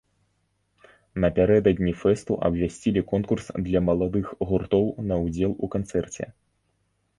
Напярэдадні фэсту абвясцілі конкурс для маладых гуртоў на ўдзел у канцэрце.